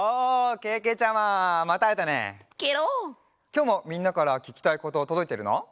きょうもみんなからききたいこととどいてるの？